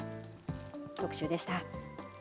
特集でした。